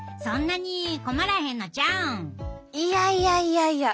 いやいやいやいや。